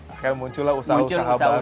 akhirnya muncullah usaha usaha baru